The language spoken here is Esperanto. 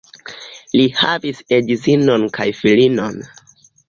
Li havis edzinon kaj filinon.